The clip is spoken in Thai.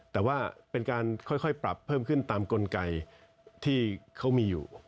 แต่ว่าเป็นการค่อยปรับเพิ่มขึ้นตามกลไกที่เขามีอยู่